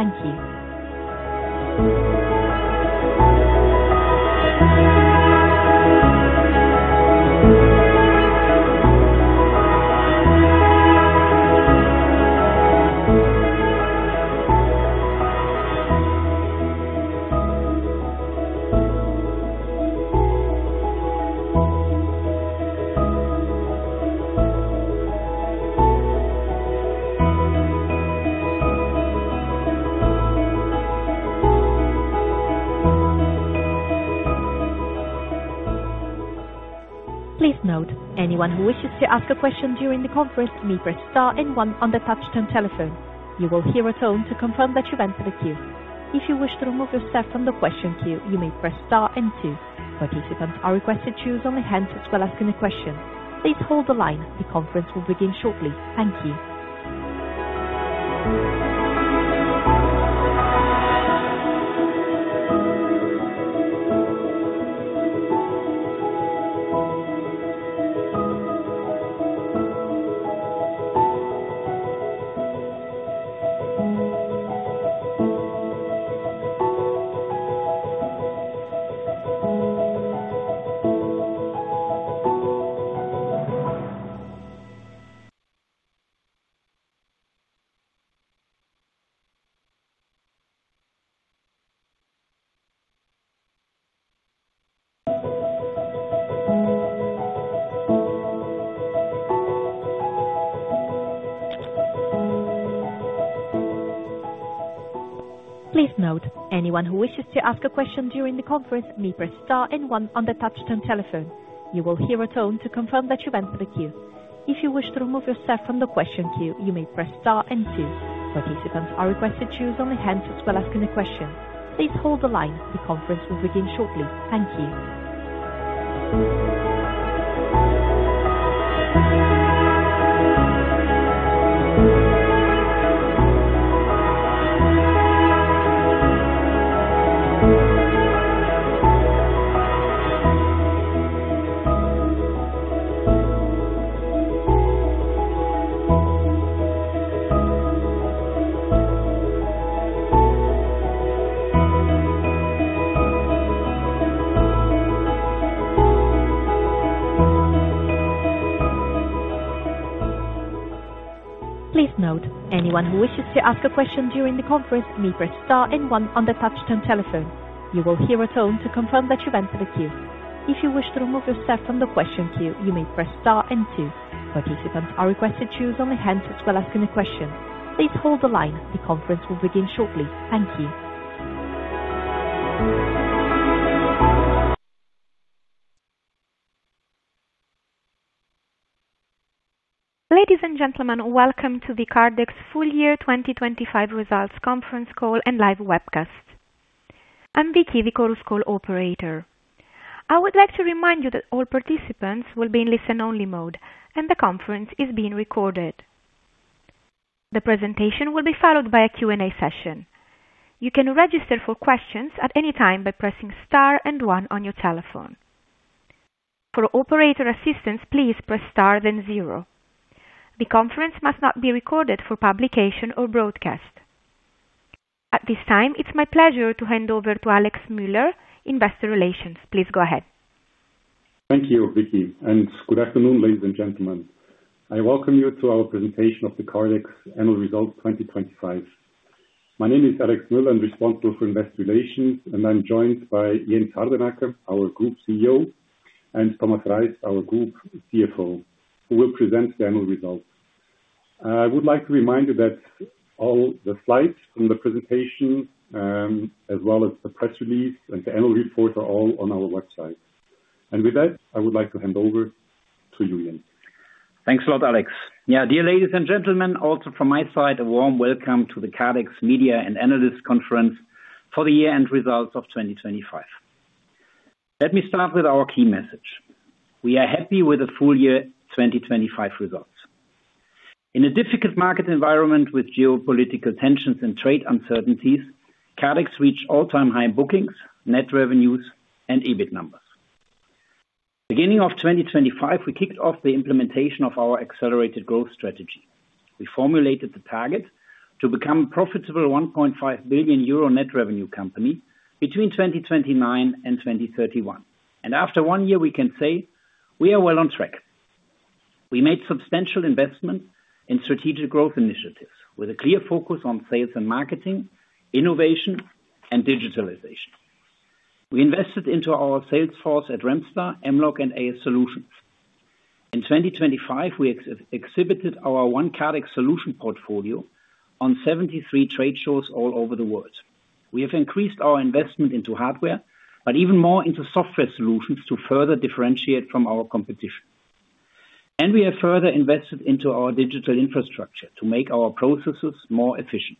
Thank you. Please note, anyone who wishes to ask a question during the conference may press star and one on the touchtone telephone. You will hear a tone to confirm that you've entered the queue. If you wish to remove yourself from the question queue, you may press star and two. Participants are requested to use only handsets when asking the question. Please hold the line. The conference will begin shortly. Thank you. Ladies and gentlemen, welcome to the Kardex full year 2025 results conference call and live webcast. I'm Vicky, the conference call operator. I would like to remind you that all participants will be in listen-only mode, and the conference is being recorded. The presentation will be followed by a Q&A session. You can register for questions at any time by pressing star and one on your telephone. For operator assistance, please press star then zero. The conference must not be recorded for publication or broadcast. At this time, it's my pleasure to hand over to Alexandre Müller, Investor Relations. Please go ahead. Thank you, Vicky, and good afternoon, ladies and gentlemen. I welcome you to our presentation of the Kardex annual results 2025. My name is Alexandre Müller. I'm responsible for Investor Relations, and I'm joined by Jens Hardenacke, our Group CEO, and Thomas Reist, our Group CFO, who will present the annual results. I would like to remind you that all the slides from the presentation, as well as the press release and the annual report are all on our website. With that, I would like to hand over to you, Jens. Thanks a lot, Alex. Yeah. Dear ladies and gentlemen, also from my side, a warm welcome to the Kardex Media and Analysts Conference for the year-end results of 2025. Let me start with our key message. We are happy with the full year 2025 results. In a difficult market environment with geopolitical tensions and trade uncertainties, Kardex reached all-time high bookings, net revenues and EBIT numbers. Beginning of 2025, we kicked off the implementation of our accelerated growth strategy. We formulated the target to become a profitable 1.5 billion euro net revenue company between 2029 and 2031. After one year, we can say we are well on track. We made substantial investments in strategic growth initiatives with a clear focus on sales and marketing, innovation and digitalization. We invested into our sales force at Remstar, Mlog, and AS Solutions. In 2025, we exhibited our one Kardex solution portfolio on 73 trade shows all over the world. We have increased our investment into hardware, but even more into software solutions to further differentiate from our competition. We have further invested into our digital infrastructure to make our processes more efficient.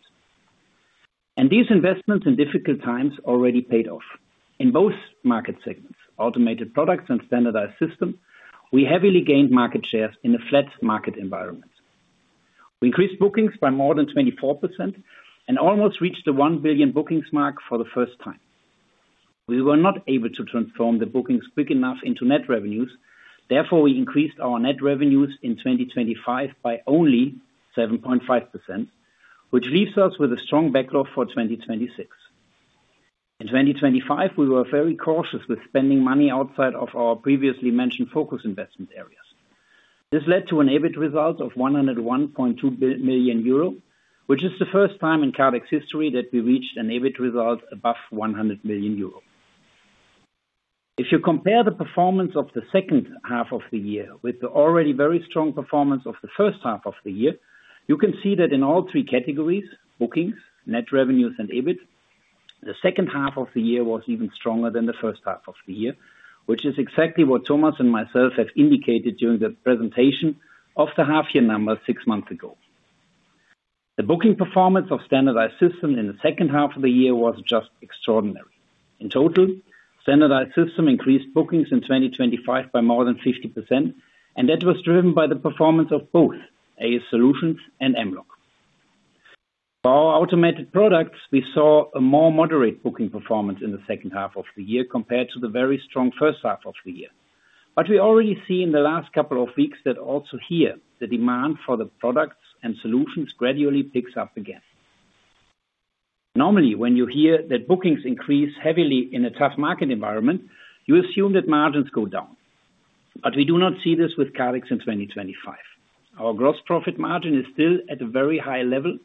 These investments in difficult times already paid off. In both market segments, automated products and standardized systems, we heavily gained market shares in a flat market environment. We increased bookings by more than 24% and almost reached the 1 billion bookings mark for the first time. We were not able to transform the bookings quick enough into net revenues. Therefore, we increased our net revenues in 2025 by only 7.5%, which leaves us with a strong backlog for 2026. In 2025, we were very cautious with spending money outside of our previously mentioned focus investment areas. This led to an EBIT result of 101.2 million euro, which is the first time in Kardex history that we reached an EBIT result above 100 million euro. If you compare the performance of the second half of the year with the already very strong performance of the first half of the year, you can see that in all three categories, bookings, net revenues and EBIT, the second half of the year was even stronger than the first half of the year, which is exactly what Thomas and myself have indicated during the presentation of the half year numbers six months ago. The booking performance of standardized system in the second half of the year was just extraordinary. In total, standardized system increased bookings in 2025 by more than 50%, and that was driven by the performance of both AS Solutions and Mlog. For our automated products, we saw a more moderate booking performance in the second half of the year compared to the very strong first half of the year. We already see in the last couple of weeks that also here, the demand for the products and solutions gradually picks up again. Normally, when you hear that bookings increase heavily in a tough market environment, you assume that margins go down. We do not see this with Kardex in 2025. Our gross profit margin is still at a very high level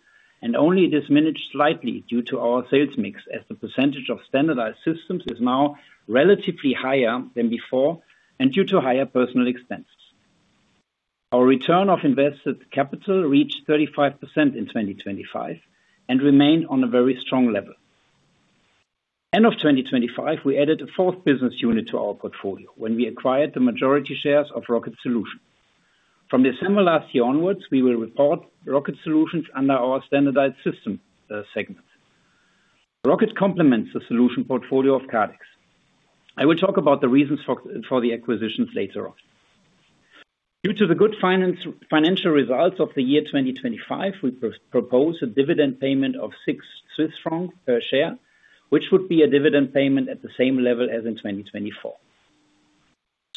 and only diminished slightly due to our sales mix, as the percentage of standardized systems is now relatively higher than before and due to higher personnel expenses. Our return of invested capital reached 35% in 2025 and remained on a very strong level. End of 2025, we added a fourth business unit to our portfolio when we acquired the majority shares of ROCKETSOLUTION. From December last year onwards, we will report ROCKETSOLUTION under our standardized system, segment. Rocket complements the solution portfolio of Kardex. I will talk about the reasons for the acquisitions later on. Due to the good financial results of the year 2025, we propose a dividend payment of 6 Swiss francs per share, which would be a dividend payment at the same level as in 2024.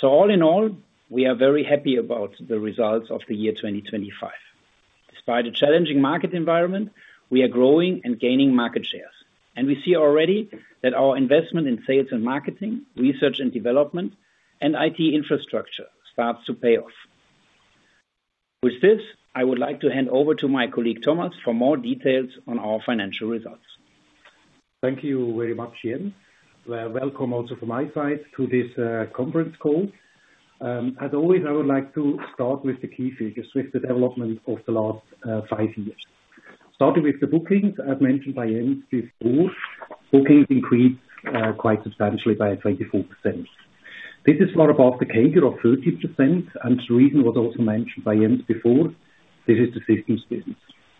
All in all, we are very happy about the results of the year 2025. Despite a challenging market environment, we are growing and gaining market shares. We see already that our investment in sales and marketing, research and development, and IT infrastructure starts to pay off. With this, I would like to hand over to my colleague, Thomas, for more details on our financial results. Thank you very much, Jens. Welcome also from my side to this conference call. As always, I would like to start with the key figures with the development of the last five years. Starting with the bookings, as mentioned by Jens before, bookings increased quite substantially by 24%. This is more above the CAGR of 30%, and the reason was also mentioned by Jens before. This is the systems business.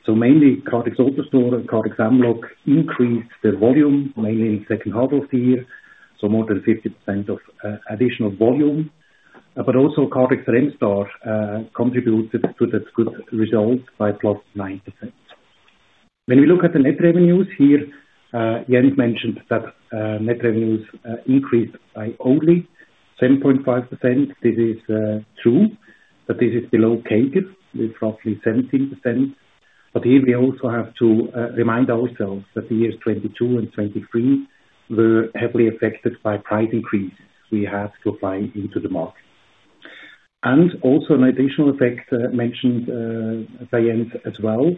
Mainly, Kardex AutoStore and Kardex Mlog increased their volume, mainly in second half of the year, so more than 50% of additional volume. Also Kardex Remstar contributed to that good result by plus 9%. When we look at the net revenues here, Jens mentioned that net revenues increased by only 7.5%. This is true, but this is below CAGR with roughly 17%. Here we also have to remind ourselves that the years 2022 and 2023 were heavily affected by price increase we had to apply into the market. Also an additional effect, mentioned by Jens as well.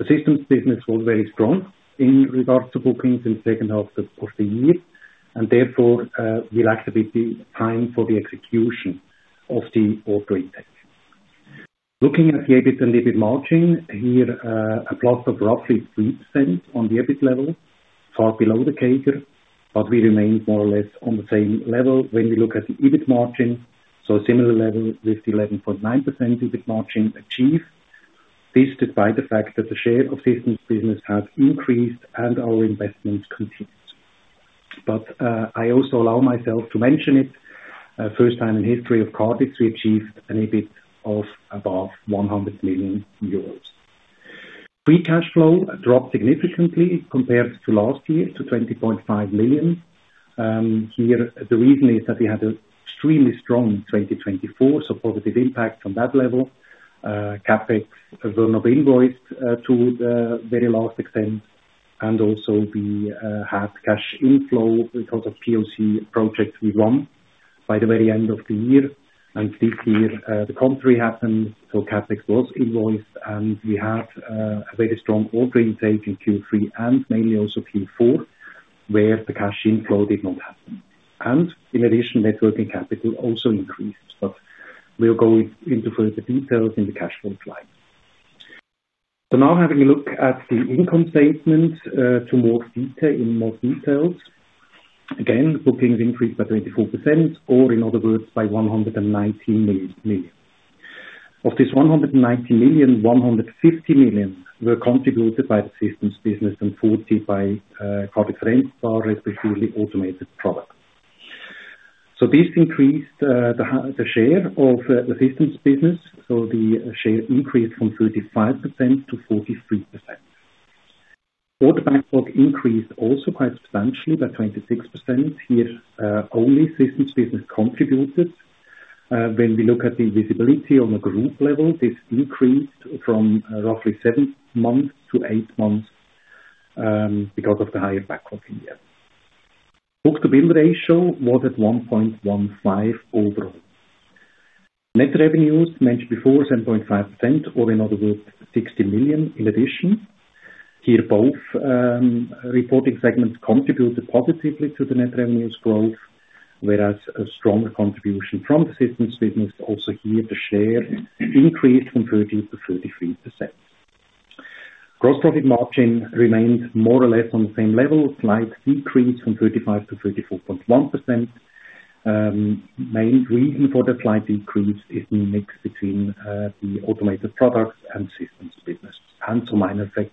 The systems business was very strong in regards to bookings in second half of the year, and therefore, we lacked a bit the time for the execution of the order intake. Looking at the EBIT and EBIT margin, here a plus of roughly 3% on the EBIT level, far below the CAGR, but we remained more or less on the same level when we look at the EBIT margin, so a similar level with 11.9% EBIT margin achieved. This despite the fact that the share of systems business has increased and our investment continues. I also allow myself to mention it, first time in history of Kardex, we achieved an EBIT above 100 million euros. Free cash flow dropped significantly compared to last year to 20.5 million. Here the reason is that we had an extremely strong 2024, so positive impact on that level. CapEx were not invoiced to the very large extent, and also we had cash inflow because of POC projects we won by the very end of the year. This year, the contrary happened, so CapEx was invoiced, and we had a very strong order intake in Q3 and mainly also Q4, where the cash inflow did not happen. In addition, net working capital also increased, but we'll go into further details in the cash flow slide. Now having a look at the income statement in more detail. Again, bookings increased by 24%, or in other words, by 190 million. Of this 190 million, 150 million were contributed by the systems business and 40 million by Kardex Remstar, respectively, automated products. This increased the share of the systems business. The share increased from 35%-43%. Order backlog increased also quite substantially by 26%. Here, only systems business contributed. When we look at the visibility on the group level, this increased from roughly seven months to eight months because of the higher backlog in the end. Book-to-bill ratio was at 1.15 overall. Net revenues mentioned before, 7.5%, or in other words, 60 million in addition. Here, both reporting segments contributed positively to the net revenues growth, whereas a stronger contribution from the systems business also here the share increased from 30%-33%. Gross profit margin remained more or less on the same level. Slight decrease from 35% to 34.1%. Main reason for the slight decrease is the mix between the automated products and systems business, and due to minor effects.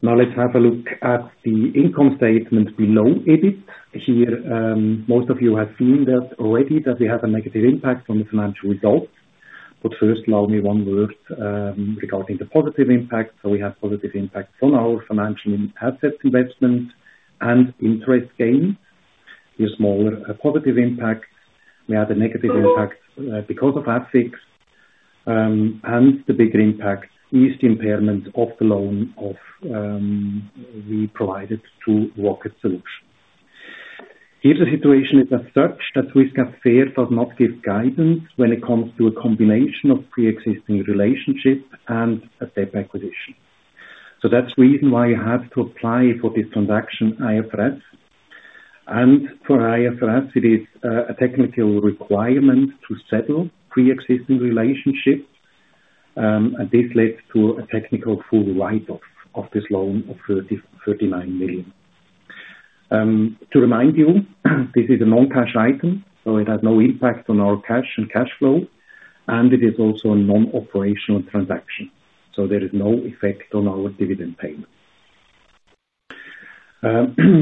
Now let's have a look at the income statement below EBIT. Here, most of you have seen that already that we have a negative impact on the financial results. First, allow me one word regarding the positive impact. We have positive impact from our financial assets investment and interest gain. Here smaller positive impact. We had a negative impact because of FX. The bigger impact is the impairment of the loan of we provided to ROCKETSOLUTION. Here, the situation is as such that Swiss GAAP FER does not give guidance when it comes to a combination of pre-existing relationships and a step acquisition. That's the reason why you have to apply for this transaction IFRS. For IFRS it is a technical requirement to settle pre-existing relationships. This led to a technical full write-off of this loan of 39 million. To remind you, this is a non-cash item, so it has no impact on our cash and cash flow, and it is also a non-operational transaction. There is no effect on our dividend payment.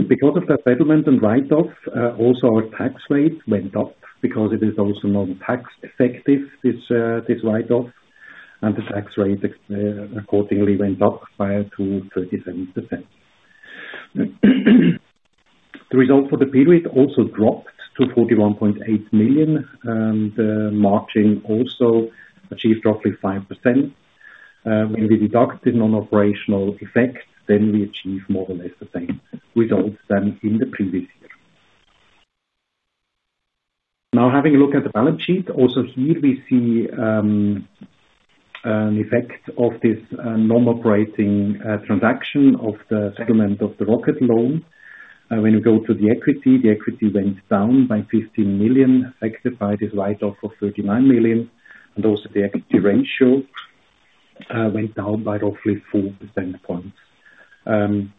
Because of that settlement and write-off, also our tax rate went up because it is also non-tax effective, this write-off and the tax rate accordingly went up by 237%. The result for the period also dropped to 41.8 million, and the margin also achieved roughly 5%. When we deduct the non-operational effect, we achieve more or less the same results than in the previous year. Now, having a look at the balance sheet, also here we see an effect of this non-operating transaction of the settlement of the Rocket loan. When you go to the equity, the equity went down by 15 million, affected by this write-off of 39 million, and also the equity ratio went down by roughly 4 percentage points,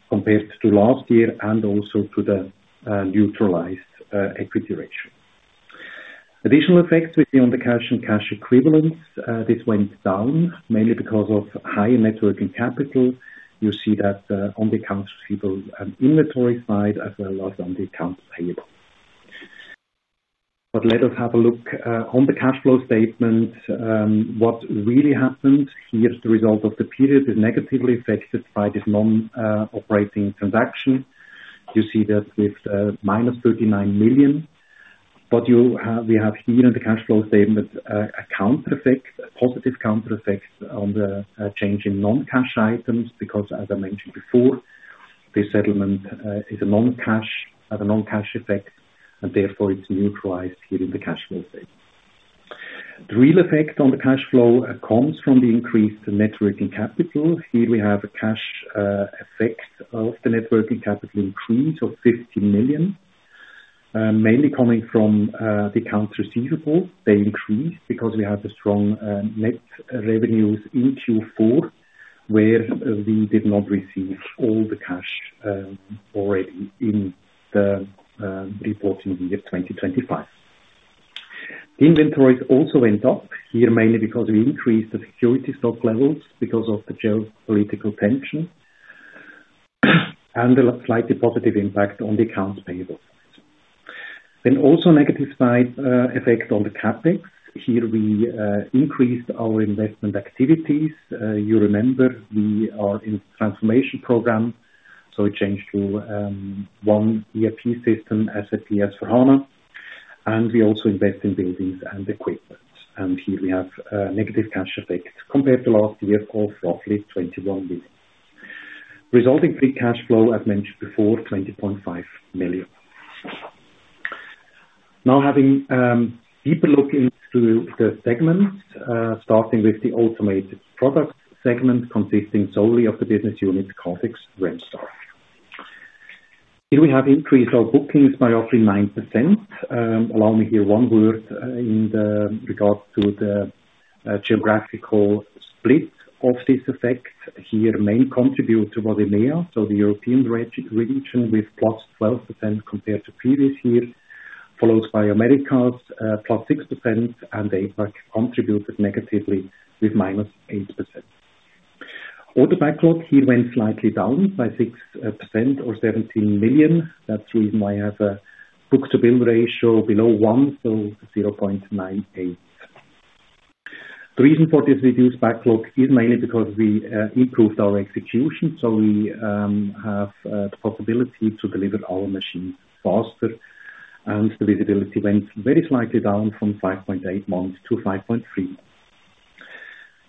compared to last year and also to the neutralized equity ratio. Additional effects we see on the cash and cash equivalents. This went down mainly because of high net working capital. You see that on the accounts receivable and inventory side as well as on the accounts payable. Let us have a look on the cash flow statement. What really happened here as a result of the period is negatively affected by this non-operating transaction. You see that with -39 million, but we have here in the cash flow statement a counter effect, a positive counter effect on the change in non-cash items because as I mentioned before, this settlement has a non-cash effect and therefore it's neutralized here in the cash flow statement. The real effect on the cash flow comes from the increase to net working capital. Here we have a cash effect of the net working capital increase of 15 million, mainly coming from the accounts receivable. They increased because we have a strong net revenues in Q4, where we did not receive all the cash already in the reporting year 2025. Inventories also went up here, mainly because we increased the security stock levels because of the geopolitical tension. A slightly positive impact on the accounts payable. Also negative side effect on the CapEx. Here we increased our investment activities. You remember we are in transformation program, so we changed to one ERP system, SAP S/4HANA, and we also invest in buildings and equipment. Here we have negative cash effect compared to last year of roughly 21 million. Resulting free cash flow, I've mentioned before, 20.5 million. Now having deeper look into the segments, starting with the automated products segment consisting solely of the business unit, Kardex Remstar. Here we have increased our bookings by roughly 9%. Allow me here one word in regards to the geographical split of this effect. Here, main contributor was EMEA, so the European region with +12% compared to previous year, followed by Americas +6% and APAC contributed negatively with -8%. Order backlog here went slightly down by 6% or 17 million. That's the reason why I have a book-to-bill ratio below one, so 0.98. The reason for this reduced backlog is mainly because we improved our execution. We have the possibility to deliver our machines faster, and the visibility went very slightly down from five point eight months to five point three.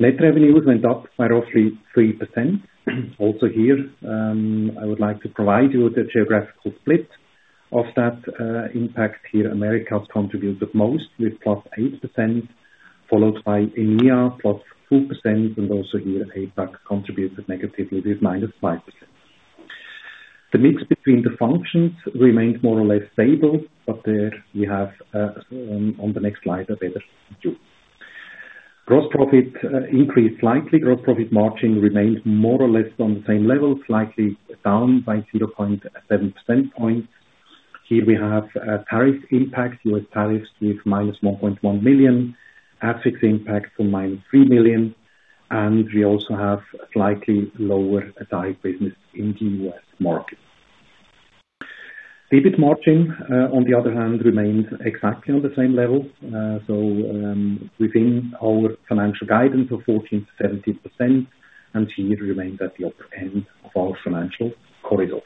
Net revenues went up by roughly 3%. Also here, I would like to provide you with the geographical split of that impact. Here, Americas contributed most with +8%, followed by EMEA +4%, and also here APAC contributed negatively with -5%. The mix between the functions remained more or less stable, but there we have on the next slide a better view. Gross profit increased slightly. Gross profit margin remained more or less on the same level, slightly down by 0.7 percentage points. Here we have tariff impacts, U.S. tariffs with -$1.1 million, FX impact to -$3 million, and we also have a slightly lower DIY business in the U.S. market. EBIT margin on the other hand, remained exactly on the same level. Within our financial guidance of 14%-17%, and here remained at the upper end of our financial corridor.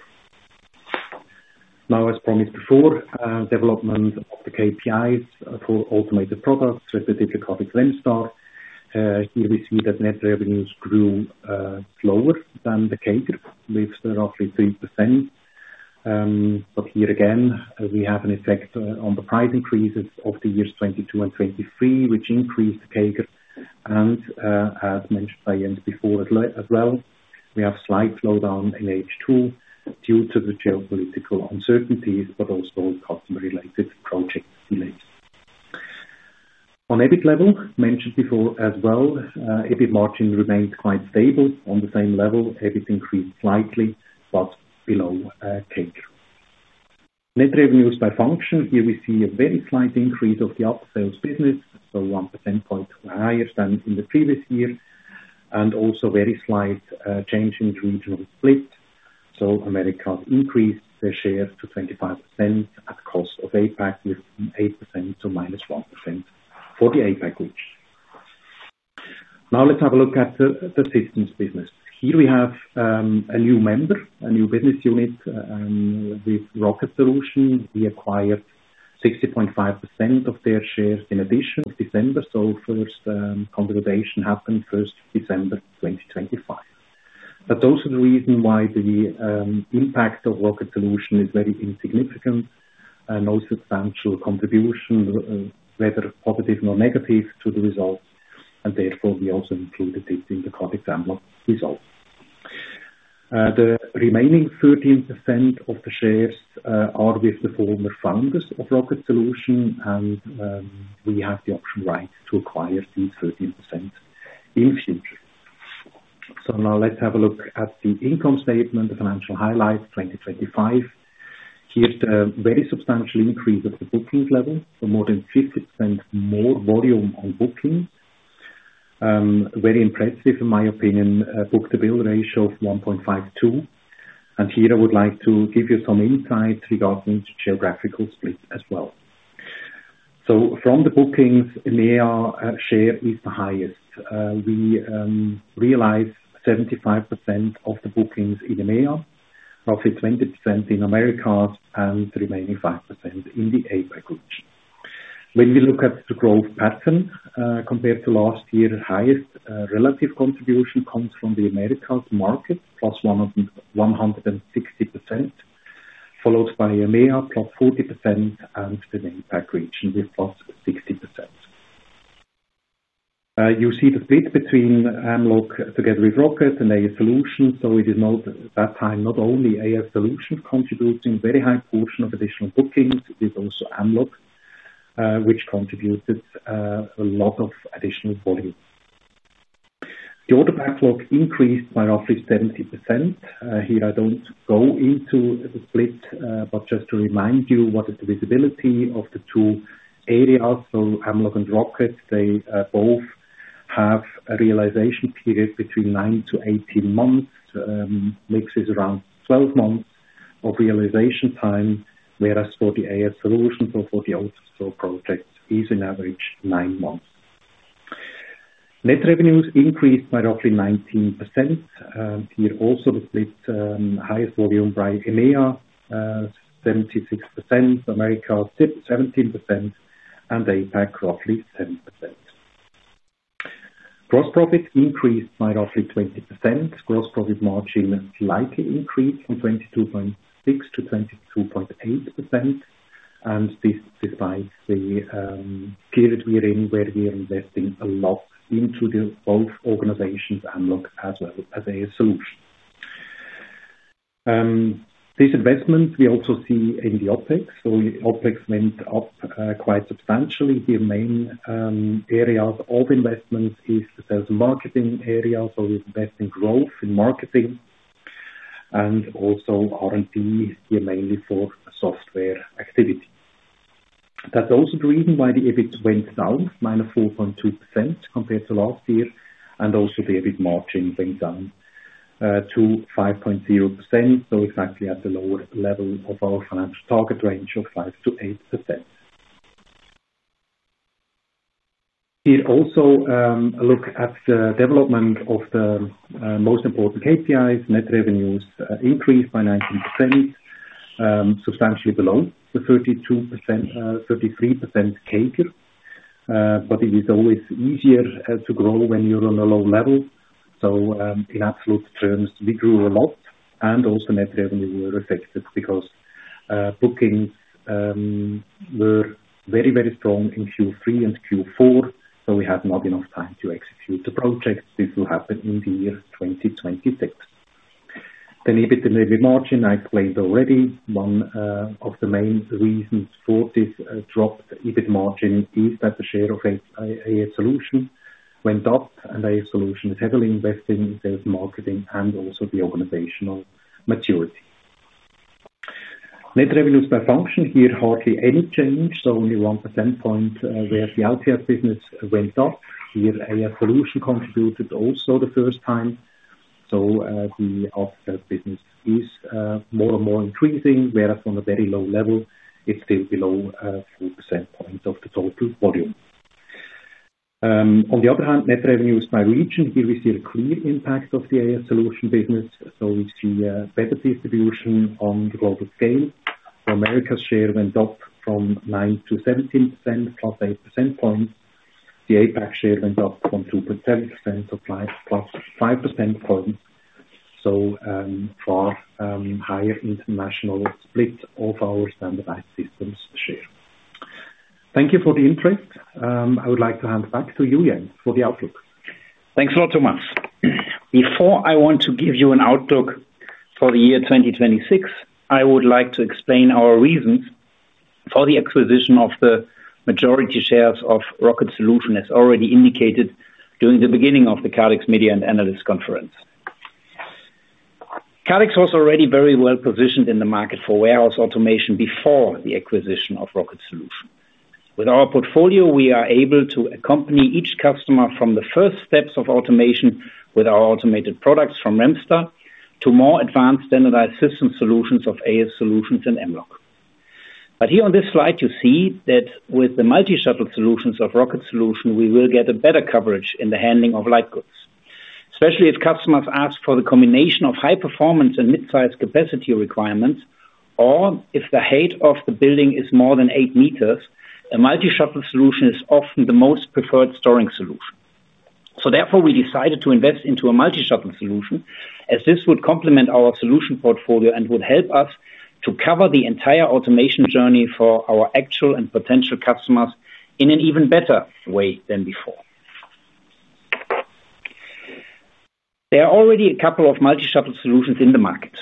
Now, as promised before, development of the KPIs for automated products, specifically Kardex Remstar. Here we see that net revenues grew slower than the CAGR, with roughly 3%. But here again, we have an effect on the price increases of the years 2022 and 2023, which increased the CAGR. As mentioned by Jens before as well, we have slight slowdown in second half due to the geopolitical uncertainties, but also customer related project delays. On EBIT level, mentioned before as well, EBIT margin remained quite stable on the same level. EBIT increased slightly, but below CAGR. Net revenues by function, here we see a very slight increase of the upsells business, so 1 percentage point higher than in the previous year, and also very slight change in regional split. Americas increased their share to 25% at cost of APAC with 8% to -1% for the APAC region. Now let's have a look at the systems business. Here we have a new member, a new business unit with ROCKETSOLUTION. We acquired 60.5% of their shares at the end of December, so first consolidation happened 1 December 2025. Also the reason why the impact of ROCKETSOLUTION is very insignificant and no substantial contribution, whether positive or negative to the results, and therefore we also included it in the Kardex Mlog results. The remaining 13% of the shares are with the former founders of ROCKETSOLUTION and we have the option right to acquire these 13% in future. Now let's have a look at the income statement, the financial highlights 2025. Here the very substantial increase of the bookings level for more than 50% more volume on bookings. Very impressive in my opinion, book-to-bill ratio of 1.52. Here I would like to give you some insights regarding geographical split as well. From the bookings, EMEA share is the highest. We realized 75% of the bookings in EMEA, roughly 20% in Americas, and the remaining 5% in the APAC region. When we look at the growth pattern compared to last year, highest relative contribution comes from the Americas market, plus 160%, followed by EMEA, +40%, and then APAC region with +60%. You see the split between Mlog together with Rocket and AS Solutions. It is not that time, not only AS Solutions contributing very high portion of additional bookings, it is also Mlog, which contributed a lot of additional volume. The order backlog increased by roughly 70%. Here I don't go into the split, but just to remind you what is the visibility of the two areas. Mlog and Rocket, they both have a realization period between nine to 18 months, mix is around 12 months of realization time. Whereas for the AS Solutions or for the AutoStore projects is an average nine months. Net revenues increased by roughly 19%. Here also the split, highest volume by EMEA, 76%, Americas, 17%, and APAC, roughly 10%. Gross profit increased by roughly 20%. Gross profit margin slightly increased from 22.6%-22.8%, and this despite the period we are in, where we are investing a lot into both organizations, Mlog as well as AS Solutions. This investment we also see in the OpEx. OpEx went up quite substantially. The main area of investment is the sales and marketing area. We invest in growth in marketing and also R&D is here mainly for software activity. That's also the reason why the EBIT went down -4.2% compared to last year, and also the EBIT margin went down to 5.0%. Exactly at the lower level of our financial target range of 5%-8%. Here also a look at the development of the most important KPIs. Net revenues increased by 19%, substantially below the 32%, 33% target. It is always easier to grow when you're on a low level. In absolute terms, we grew a lot and also net revenue were affected because bookings were very, very strong in Q3 and Q4, so we had not enough time to execute the projects. This will happen in the year 2026. The EBIT and EBIT margin I explained already. One of the main reasons for this dropped EBIT margin is that the share of AS Solutions went up, and AS Solutions is heavily investing in sales and marketing and also the organizational maturity. Net revenues by function, here hardly any change, so only 1 percentage point where the vertical business went up. Here, AS Solutions contributed also the first time. The DIY business is more and more increasing, whereas from a very low level it's still below 4% of the total volume. On the other hand, net revenues by region. Here we see a clear impact of the AS Solutions business. We see a better distribution on the global scale. America's share went up from 9%-17%, +8 percentage points. The APAC share went up from 2%-5%, +5 percentage points. Far higher international split of our standardized systems share. Thank you for the interest. I would like to hand back to Jens for the outlook. Thanks a lot, Thomas. Before I want to give you an outlook for the year 2026, I would like to explain our reasons for the acquisition of the majority shares of ROCKETSOLUTION, as already indicated during the beginning of the Kardex Media and Analysts Conference. Kardex was already very well-positioned in the market for warehouse automation before the acquisition of ROCKETSOLUTION. With our portfolio, we are able to accompany each customer from the first steps of automation with our automated products from Remstar to more advanced standardized system solutions of AS Solutions and Mlog. Here on this slide you see that with the multi-shuttle solutions of ROCKETSOLUTION, we will get a better coverage in the handling of light goods. Especially if customers ask for the combination of high performance and mid-size capacity requirements, or if the height of the building is more than eight meters, a multi-shuttle solution is often the most preferred storage solution. Therefore, we decided to invest into a multi-shuttle solution, as this would complement our solution portfolio and would help us to cover the entire automation journey for our actual and potential customers in an even better way than before. There are already a couple of multi-shuttle solutions in the market.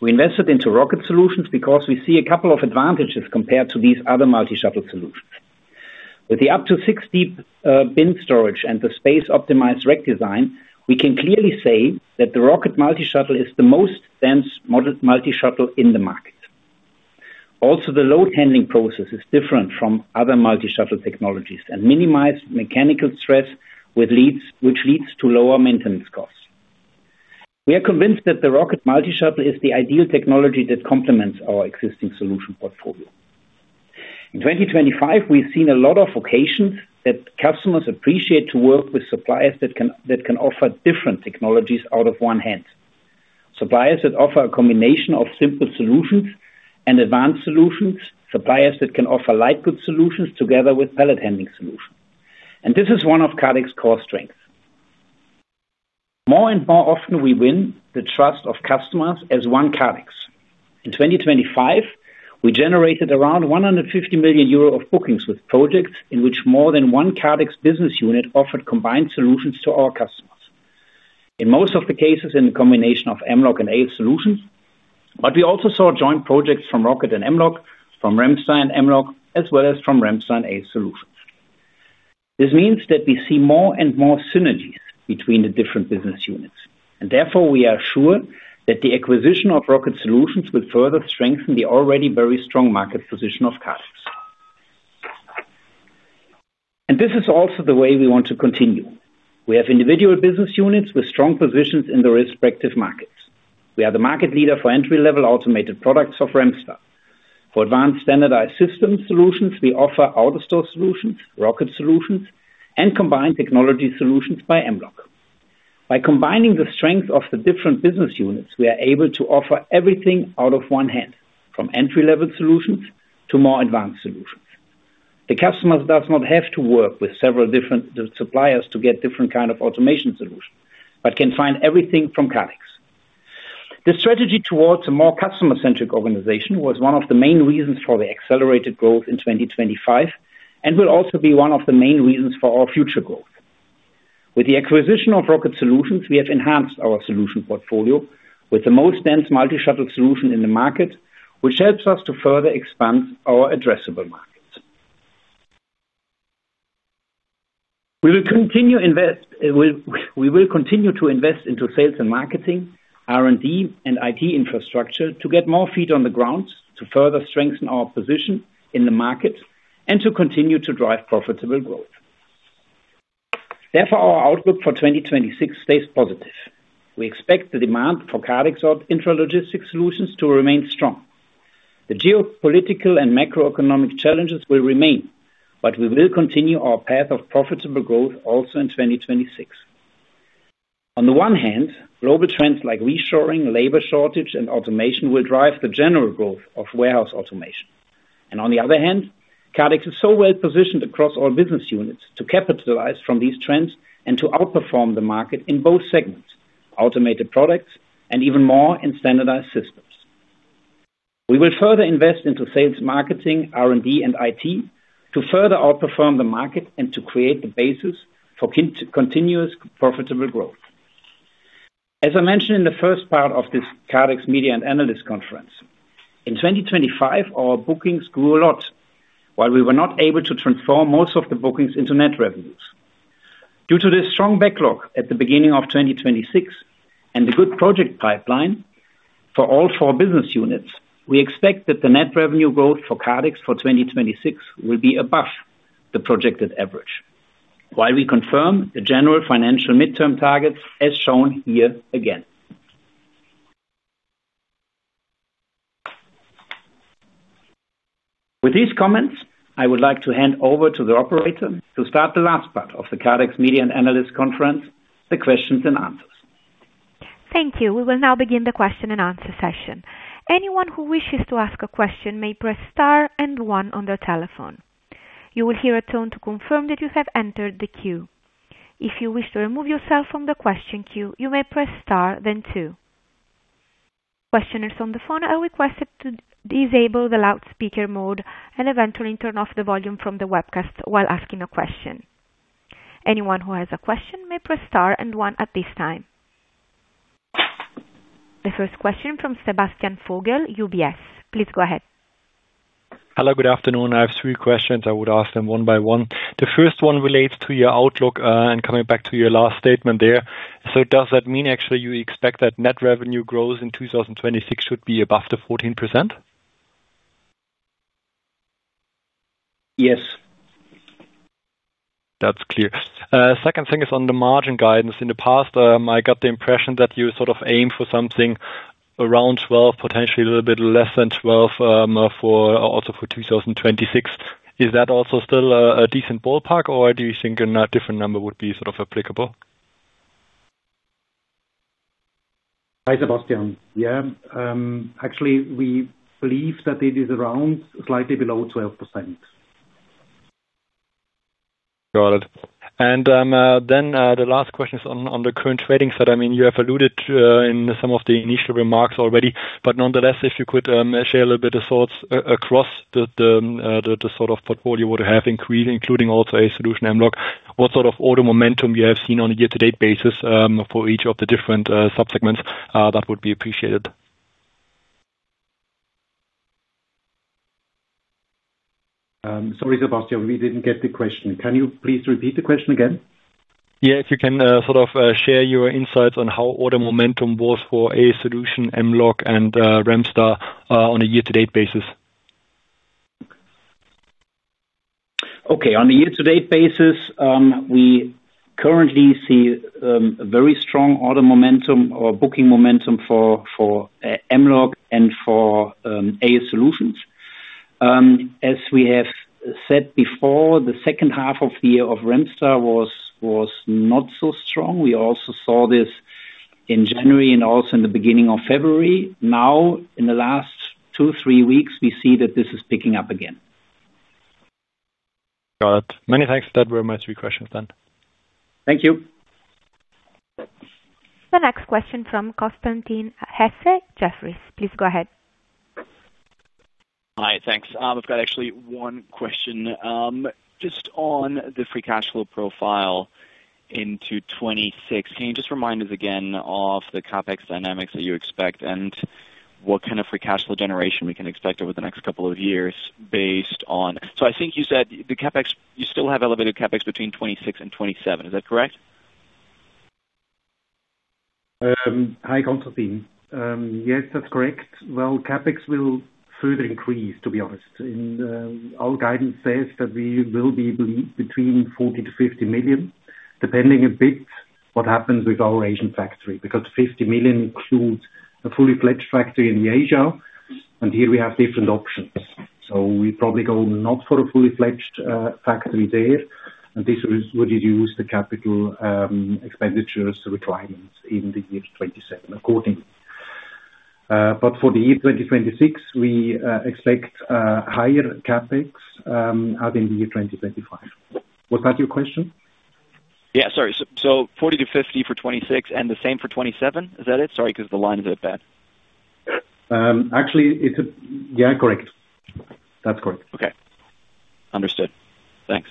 We invested into ROCKETSOLUTION because we see a couple of advantages compared to these other multi-shuttle solutions. With the up to six deep bin storage and the space optimized rack design, we can clearly say that the Rocket multi-shuttle is the most dense multi-shuttle in the market. Also, the load handling process is different from other multi-shuttle technologies and minimize mechanical stress with leads, which leads to lower maintenance costs. We are convinced that the Kardex multi-shuttle is the ideal technology that complements our existing solution portfolio. In 2025, we've seen a lot of occasions that customers appreciate to work with suppliers that can offer different technologies out of one hand. Suppliers that offer a combination of simple solutions and advanced solutions, suppliers that can offer light goods solutions together with pallet handling solutions. This is one of Kardex's core strengths. More and more often we win the trust of customers as one Kardex. In 2025, we generated around 150 million euro of bookings with projects in which more than one Kardex business unit offered combined solutions to our customers. In most of the cases, in combination of Mlog and AS Solutions, but we also saw joint projects from Rocket and Mlog, from Remstar and Mlog, as well as from Remstar and AS Solutions. This means that we see more and more synergies between the different business units, and therefore we are sure that the acquisition of ROCKETSOLUTION will further strengthen the already very strong market position of Kardex. This is also the way we want to continue. We have individual business units with strong positions in their respective markets. We are the market leader for entry-level automated products of Remstar. For advanced standardized system solutions, we offer AutoStore solutions, ROCKETSOLUTION, and combined technology solutions by Mlog. By combining the strength of the different business units, we are able to offer everything out of one hand, from entry-level solutions to more advanced solutions. The customers does not have to work with several different suppliers to get different kind of automation solution, but can find everything from Kardex. The strategy towards a more customer-centric organization was one of the main reasons for the accelerated growth in 2025, and will also be one of the main reasons for our future growth. With the acquisition of ROCKETSOLUTION, we have enhanced our solution portfolio with the most dense MultiShuttle solution in the market, which helps us to further expand our addressable markets. We will continue to invest into sales and marketing, R&D, and IT infrastructure to get more feet on the ground to further strengthen our position in the market and to continue to drive profitable growth. Therefore, our outlook for 2026 stays positive. We expect the demand for Kardex's intralogistics solutions to remain strong. The geopolitical and macroeconomic challenges will remain, but we will continue our path of profitable growth also in 2026. On the one hand, global trends like reshoring, labor shortage and automation will drive the general growth of warehouse automation. On the other hand, Kardex is so well positioned across all business units to capitalize from these trends and to outperform the market in both segments, automated products and even more in standardized systems. We will further invest into sales, marketing, R&D and IT to further outperform the market and to create the basis for continuous profitable growth. As I mentioned in the first part of this Kardex Media and Analysts Conference, in 2025, our bookings grew a lot, while we were not able to transform most of the bookings into net revenues. Due to the strong backlog at the beginning of 2026 and the good project pipeline for all four business units, we expect that the net revenue growth for Kardex for 2026 will be above the projected average, while we confirm the general financial midterm targets as shown here again. With these comments, I would like to hand over to the operator to start the last part of the Kardex Media and Analysts Conference, the questions and answers. Thank you. We will now begin the question-and-answer session. Anyone who wishes to ask a question may press star and one on their telephone. You will hear a tone to confirm that you have entered the queue. If you wish to remove yourself from the question queue, you may press star then two. Questioners on the phone are requested to disable the loudspeaker mode and eventually turn off the volume from the webcast while asking a question. Anyone who has a question may press star and one at this time. The first question from Sebastian Vogel, UBS. Please go ahead. Hello, good afternoon. I have three questions. I would ask them one by one. The first one relates to your outlook, and coming back to your last statement there. Does that mean actually you expect that net revenue growth in 2026 should be above the 14%? Yes. That's clear. Second thing is on the margin guidance. In the past, I got the impression that you sort of aim for something around 12%, potentially a little bit less than 12%, also for 2026. Is that also still a decent ballpark? Or do you think a different number would be sort of applicable? Hi, Sebastian. Yeah, actually, we believe that it is around slightly below 12%. Got it. The last question is on the current trading side. I mean, you have alluded to in some of the initial remarks already, but nonetheless, if you could share a little bit of thoughts across the sort of portfolio would have increased, including also AS Solutions, Mlog. What sort of order momentum you have seen on a year-to-date basis, for each of the different sub-segments, that would be appreciated. Sorry, Sebastian, we didn't get the question. Can you please repeat the question again? Yeah. If you can, sort of, share your insights on how order momentum was for AS Solutions, Mlog and Remstar, on a year-to-date basis. Okay. On a year-to-date basis, we currently see a very strong order momentum or booking momentum for Mlog and for AS Solutions. As we have said before, the second half of the year for Remstar was not so strong. We also saw this in January and also in the beginning of February. Now, in the last two, three weeks, we see that this is picking up again. Got it. Many thanks. That were my three questions then. Thank you. The next question from Constantin Hesse, Jefferies. Please go ahead. Hi, thanks. I've got actually one question, just on the free cash flow profile into 2026. Just remind us again of the CapEx dynamics that you expect and what kind of free cash flow generation we can expect over the next couple of years based on. I think you said the CapEx, you still have elevated CapEx between 2026 and 2027. Is that correct? Hi, Constantin. Yes, that's correct. Well, CapEx will further increase, to be honest. In our guidance says that we will be between 40 million-50 million, depending a bit what happens with our Asian factory, because 50 million includes a full-fledged factory in Asia, and here we have different options. We probably go not for a full-fledged factory there, and this will reduce the capital expenditures requirements in the year 2027 accordingly. For the year 2026, we expect higher CapEx than the year 2025. Was that your question? Yeah, sorry. 40-50 for 2026 and the same for 2027, is that it? Sorry, 'cause the line is a bit bad. Actually, yeah, correct. That's correct. Okay. Understood. Thanks.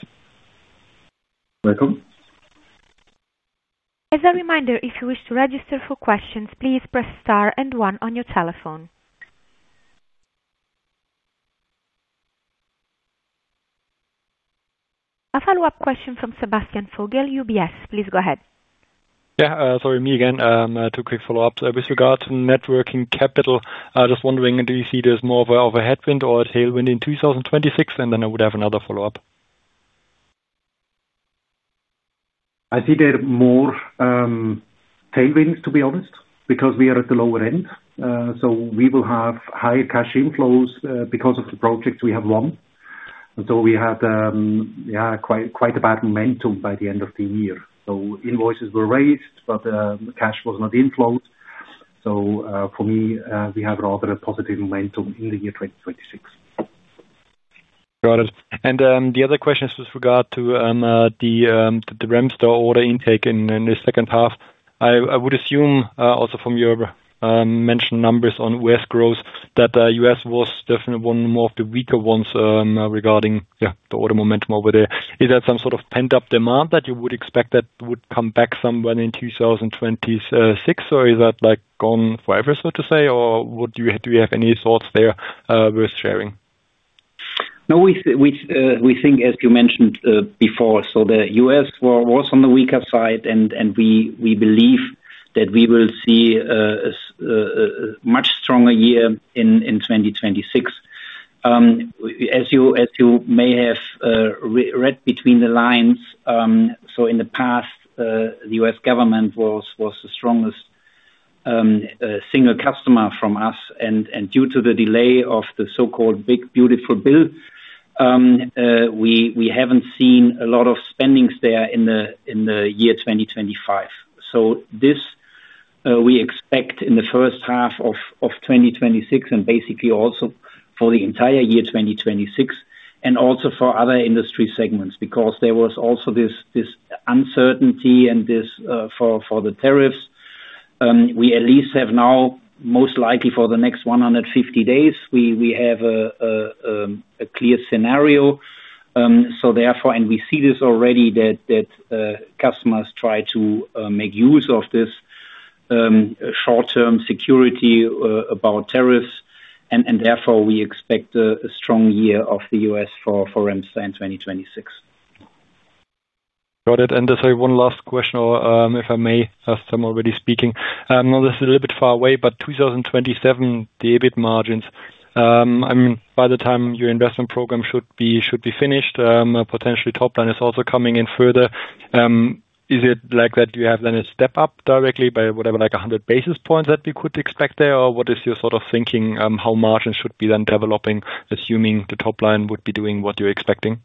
Welcome. As a reminder, if you wish to register for questions, please press star and one on your telephone. A follow-up question from Sebastian Vogel, UBS. Please go ahead. Yeah. Sorry, me again. Two quick follow-ups. With regard to net working capital, I was just wondering, do you see there's more of a headwind or a tailwind in 2026? I would have another follow-up. I see there are more tailwinds, to be honest, because we are at the lower end. We will have higher cash inflows because of the projects we have won. We had, yeah, quite a bad momentum by the end of the year. Invoices were raised, but the cash was not inflows. For me, we have rather a positive momentum in the year 2026. Got it. The other question is with regard to the Remstar order intake in the second half. I would assume also from your mentioned numbers on best growth, that US was definitely one or more of the weaker ones regarding the order momentum over there. Is that some sort of pent-up demand that you would expect that would come back somewhere in 2026? Or is that, like, gone forever, so to say? Or do you have any thoughts there worth sharing? No, we think as you mentioned before, the U.S. was on the weaker side and we believe that we will see a much stronger year in 2026. As you may have read between the lines, in the past the U.S. government was the strongest single customer from us and due to the delay of the so-called Big Beautiful Bill, we haven't seen a lot of spending there in the year 2025. We expect this in the first half of 2026 and basically also for the entire year 2026 and also for other industry segments because there was also this uncertainty for the tariffs. We at least have now, most likely for the next 150 days, a clear scenario. We see this already that customers try to make use of this short-term security about tariffs and therefore we expect a strong year in the U.S. for instance in 2026. Got it. Just, sorry, one last question or, if I may, as I'm already speaking. I know this is a little bit far away, but 2027, the EBIT margins. I mean, by the time your investment program should be finished, potentially top line is also coming in further. Is it like that you have then a step up directly by whatever like 100 basis points that we could expect there? Or what is your sort of thinking, how margins should be then developing, assuming the top line would be doing what you're expecting?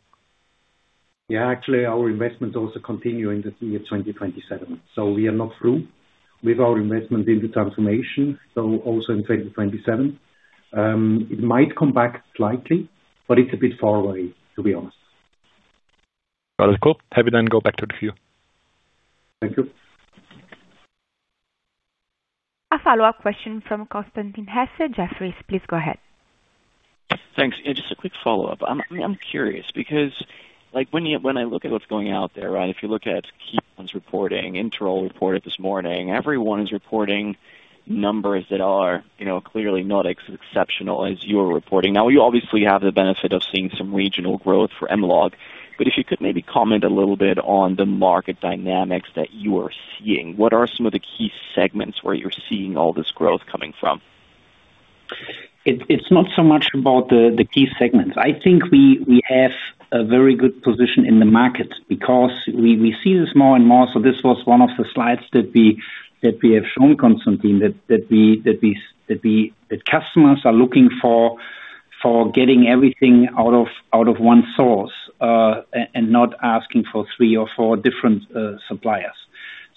Yeah. Actually, our investments also continue into the year 2027. We are not through with our investment in the transformation. Also in 2027, it might come back slightly, but it's a bit far away, to be honest. That is cool. Happy then go back to the queue. Thank you. A follow-up question from Constantin Hesse, Jefferies. Please go ahead. Thanks. Just a quick follow-up. I'm curious because, like, when I look at what's going out there, right? If you look at KION's reporting, Interroll reported this morning, everyone is reporting numbers that are, you know, clearly not exceptional as you're reporting. Now, you obviously have the benefit of seeing some regional growth for analog. If you could maybe comment a little bit on the market dynamics that you are seeing. What are some of the key segments where you're seeing all this growth coming from? It's not so much about the key segments. I think we have a very good position in the market because we see this more and more. This was one of the slides that we have shown, Constantin, that customers are looking for getting everything out of one source and not asking for three or four different suppliers.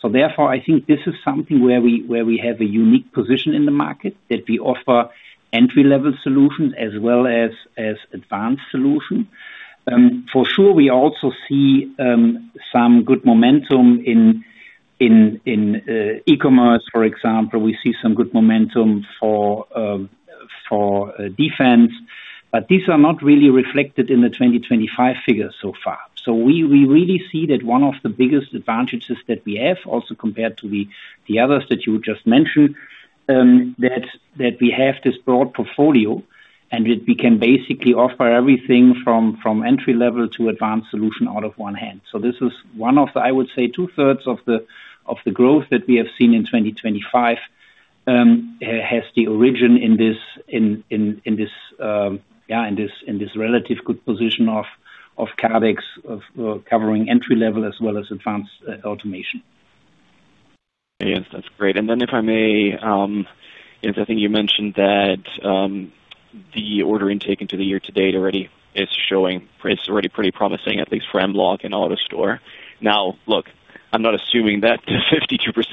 Therefore, I think this is something where we have a unique position in the market, that we offer entry-level solutions as well as advanced solution. For sure, we also see some good momentum in e-commerce, for example. We see some good momentum for defense, but these are not really reflected in the 2025 figures so far. We really see that one of the biggest advantages that we have also compared to the others that you just mentioned, that we have this broad portfolio and we can basically offer everything from entry level to advanced solution out of one hand. This is one of the, I would say, two-thirds of the growth that we have seen in 2025 has the origin in this relative good position of Kardex of covering entry level as well as advanced automation. Yes, that's great. Then if I may, I think you mentioned that the order intake year to date already is showing. It's already pretty promising, at least for Mlog and AutoStore. Now, look, I'm not assuming that the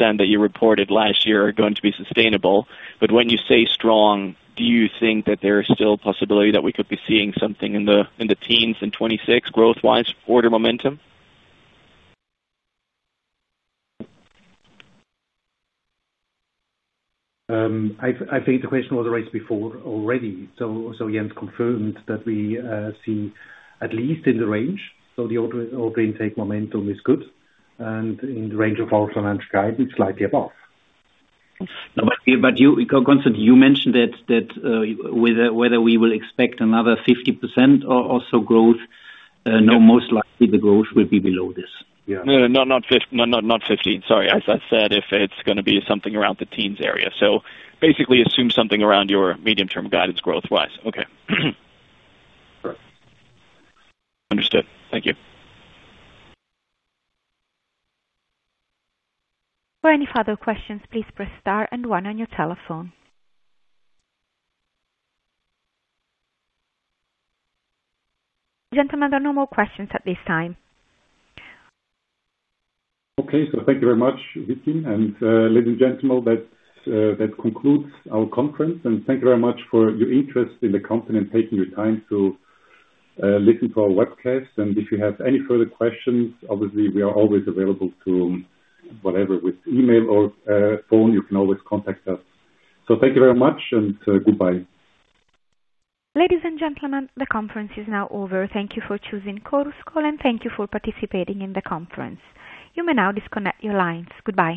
52% that you reported last year are going to be sustainable. When you say strong, do you think that there is still a possibility that we could be seeing something in the teens in 2026 growth-wise order momentum? I think the question was raised before already. Jens confirmed that we see at least in the range. The order intake momentum is good and in the range of our financial guide is slightly above. You constantly mentioned that whether we will expect another 50% or also growth. No, most likely the growth will be below this. Yeah. No, not 15. Sorry. As I said, if it's gonna be something around the teens area. Basically assume something around your medium-term guidance growth wise. Okay. Understood. Thank you. For any further questions, please press star and one on your telephone. Gentlemen, there are no more questions at this time. Okay. Thank you very much, Vicky. Ladies and gentlemen, that concludes our conference. Thank you very much for your interest in the company and taking the time to listen to our webcast. If you have any further questions, obviously we are always available to whatever, with email or, phone, you can always contact us. Thank you very much and goodbye. Ladies and gentlemen, the conference is now over. Thank you for choosing Chorus Call, and thank you for participating in the conference. You may now disconnect your lines. Goodbye.